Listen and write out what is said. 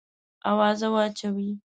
آوازه واچوې.